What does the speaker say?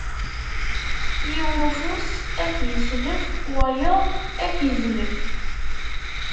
Yiwen ufus ad k-islef, wayeḍ ad k-izlef!